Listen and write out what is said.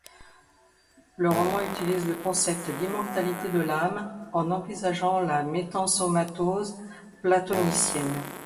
Le roman utilise le concept d'immortalité de l'âme en envisageant la métensomatose platonicienne.